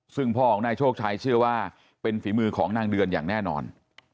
ซึ่งพ่อของนายโชคชัยเชื่อว่าเป็นฝีมือของนางเดือนอย่างแน่นอน